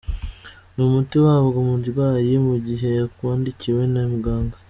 Ni umuti uhabwa umurwayi mu gihe yawandikiwe na muganga.